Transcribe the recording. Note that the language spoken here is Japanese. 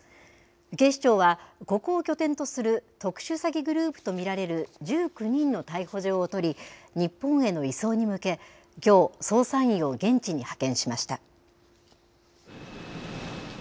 警視庁は、ここを拠点とする特殊詐欺グループと見られる１９人の逮捕状を取り、日本への移送に向け、きょう、捜査員を現地に派遣しました。